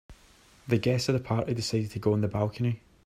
The guests of the party decided to go on the balcony.